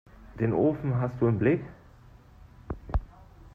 Den Ofen hast du im Blick?